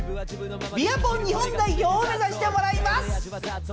ビアポン日本代表をめざしてもらいます！